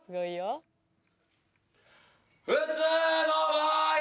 普通の場合！